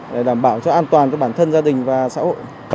để đảm bảo cho an toàn cho bản thân gia đình và xã hội